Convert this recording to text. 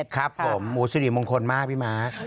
ครับผมอุทธิ์สูรรีมงคลมากพี่มาร์ค